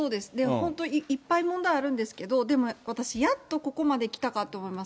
本当、いっぱい問題あるんですけど、でも私、やっとここまで来たかと思います。